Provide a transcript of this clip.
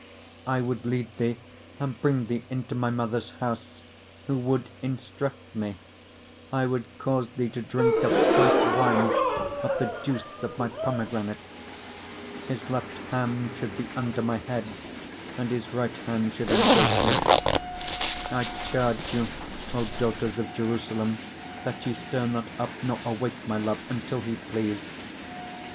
8:2 I would lead thee, and bring thee into my mother's house, who would instruct me: I would cause thee to drink of spiced wine of the juice of my pomegranate. 8:3 His left hand should be under my head, and his right hand should embrace me. 8:4 I charge you, O daughters of Jerusalem, that ye stir not up, nor awake my love, until he please.